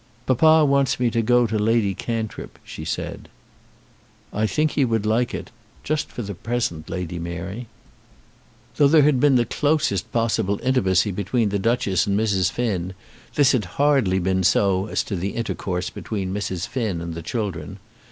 "Papa wants me to go to Lady Cantrip," she said. "I think he would like it, just for the present, Lady Mary." Though there had been the closest possible intimacy between the Duchess and Mrs. Finn, this had hardly been so as to the intercourse between Mrs. Finn and the children.